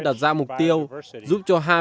đặt ra mục tiêu giúp cho hai mươi